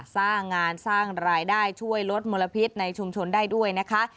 สร้างงานสร้างรายได้ช่วยลดมลพิษในชุมชนได้ด้วยนะคะ